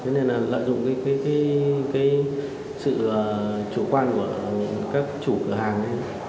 nên là lợi dụng cái sự chủ quan của các chủ cửa hàng